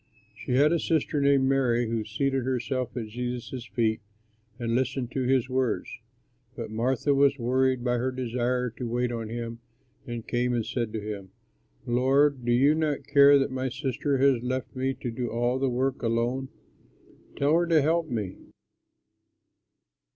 She had a sister named Mary who seated herself at Jesus' feet and listened to his words. But Martha was worried by her desire to wait on him, and came and said to him, "Lord, do you not care that my sister has left me to do all the work alone? Tell her to help me."